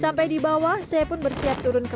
sampai di bawah saya pun bersiap turun ke